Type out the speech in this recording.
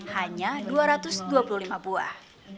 hanya dua ratus dua puluh lima buah